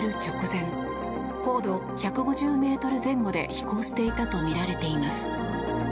レーダーから消える直前高度１５０ｍ前後で飛行していたとみられています。